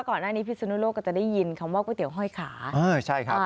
ก่อนหน้านี้พิศนุโลกก็จะได้ยินคำว่าก๋วยเตี๋ยวห้อยขา